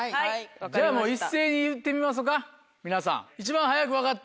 じゃあもう一斉に言ってみましょか皆さん。